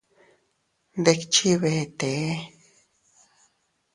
Ndikchi vetee.